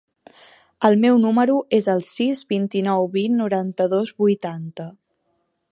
El meu número es el sis, vint-i-nou, vint, noranta-dos, vuitanta.